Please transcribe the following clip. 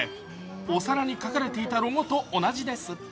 お皿に書かれていたロゴと同じです。